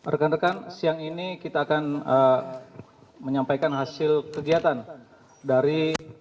rekan rekan siang ini kita akan menyampaikan hasil kegiatan dari